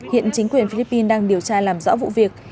hiện chính quyền philippines đang điều tra làm rõ vụ việc